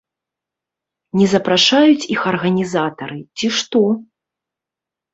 Не запрашаюць іх арганізатары, ці што?